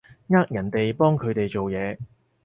呃人哋幫佢哋做嘢